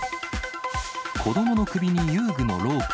子どもの首に遊具のロープ。